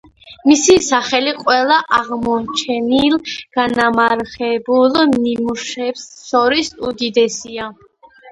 მისი სახე ყველა აღმოჩენილ განამარხებულ ნიმუშებს შორის უდიდესია.